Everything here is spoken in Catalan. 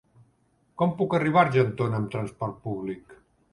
Com puc arribar a Argentona amb trasport públic?